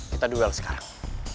kita duel sekarang